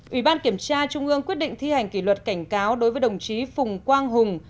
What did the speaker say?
ủy ban kiểm tra trung ương quyết định thi hành kỷ luật cảnh cáo đối với đồng chí phùng quang hùng